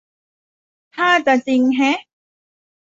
ท่าจะจริงแฮะ